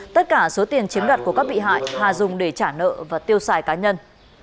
tất cả số tiền chiếm đoạt của các bị hại hà dùng để trả nợ và tiêu xài cá nhân